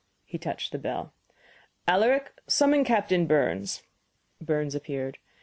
He touched the bell. "Alaric; summon Captain Burns." Burns appeared.